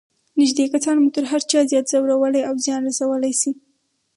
نږدې کسان مو تر هر چا زیات ځورولای او زیان رسولای شي.